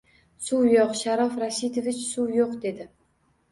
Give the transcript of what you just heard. — Suv yo‘q, Sharof Rashidovich, suv yo‘q! — dedi.